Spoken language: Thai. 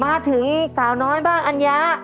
มาถึงสาวน้อยบ้างอัญญา